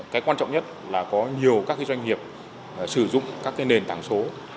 cái quan trọng nhất là có nhiều các doanh nghiệp sử dụng các nền tảng số